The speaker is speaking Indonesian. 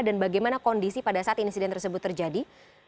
dan bagaimana kondisi pada saat insiden tersebut terjadi